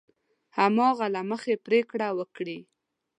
هماغه له مخې پرېکړه وکړي.